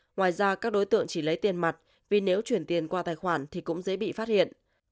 ngoài ra các đối tượng chỉ lấy tiền mặt vì nếu chuyển tiền qua tài khoản thì cũng dễ bị phát hiện